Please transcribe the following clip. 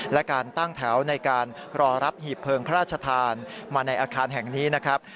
และการตั้งแถวในการรอรับหีบเพลิงพระราชทานมาในอาคารแห่งนี้นะครับ